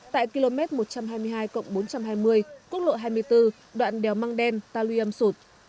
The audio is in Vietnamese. tại km một trăm hai mươi hai bốn trăm hai mươi quốc lộ hai mươi bốn đoạn đèo măng đen ta luy âm sụp